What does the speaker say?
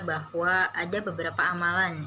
bahwa ada beberapa amalan